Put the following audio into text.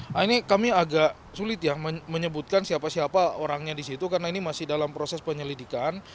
nah ini kami agak sulit ya menyebutkan siapa siapa orangnya disitu karena ini masih dalam proses penyelidikan